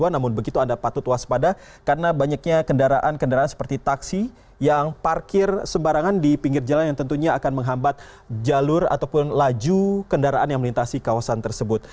namun begitu anda patut waspada karena banyaknya kendaraan kendaraan seperti taksi yang parkir sembarangan di pinggir jalan yang tentunya akan menghambat jalur ataupun laju kendaraan yang melintasi kawasan tersebut